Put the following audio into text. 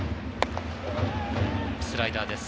スライダーです。